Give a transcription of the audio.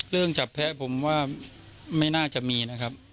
จับแพ้ผมว่าไม่น่าจะมีนะครับ